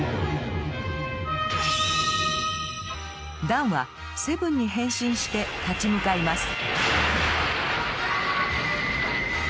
ダンはセブンに変身して立ち向かいます。